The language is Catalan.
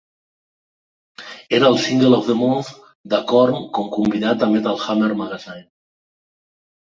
Era el "single of The Month" de Korn com convidat a Metal Hammer Magazine.